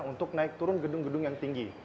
untuk naik turun gedung gedung yang tinggi